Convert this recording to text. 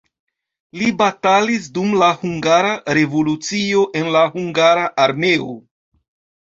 Li batalis dum la hungara revolucio en la hungara armeo.